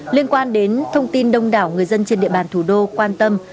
liên quan đến thông tin đông đảo người dân trên địa bàn thủ đô quan tâm